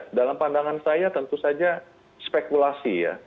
dalam pandangan saya tentu saja spekulasi ya